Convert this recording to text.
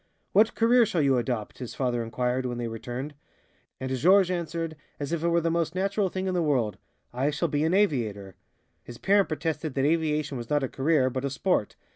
"What career shall you adopt?" his father inquired, when they returned. And Georges answered, as if it were the most natural thing in the world, "I shall be an aviator." His parent protested that aviation was not a career, but a sport.